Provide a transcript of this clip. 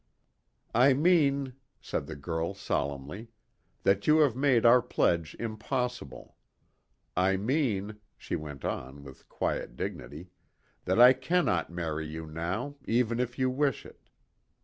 "I mean," said the girl solemnly, "that you have made our pledge impossible. I mean," she went on, with quiet dignity, "that I cannot marry you now, even if you wish it.